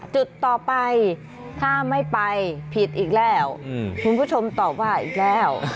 จุดต่อไปถ้าไม่ไปผิดอีกแล้วคุณผู้ชมตอบว่าอีกแล้ว